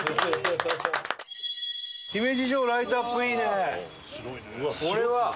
姫路城ライトアップいいね！